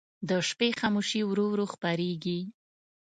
د شپې خاموشي ورو ورو خپرېږي.